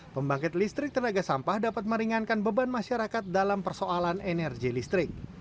pembangkit listrik tenaga sampah dapat meringankan beban masyarakat dalam persoalan energi listrik